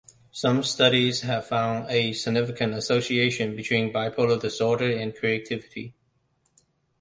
Some studies have found a significant association between bipolar disorder and creativity.